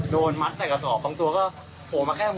โดนมัดใส่กระสอบบางตัวก็โผล่มาแค่หัว